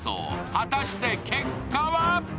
果たして結果は？